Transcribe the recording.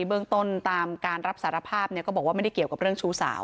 เบื้องต้นตามการรับสารภาพก็บอกว่าไม่ได้เกี่ยวกับเรื่องชู้สาว